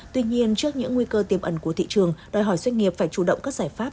tuy nhiên trước những nguy cơ tiềm ẩn của thị trường đòi hỏi doanh nghiệp phải chủ động các giải pháp